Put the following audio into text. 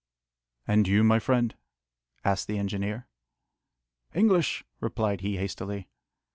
"And you, my friend?" asked the engineer. "English," replied he hastily.